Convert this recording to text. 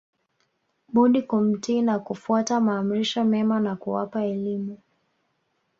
budi kumtii na kufuata maamrisho mema na kuwapa elimu